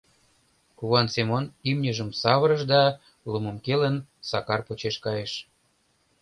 Куван Семон имньыжым савырыш да, лумым келын, Сакар почеш кайыш.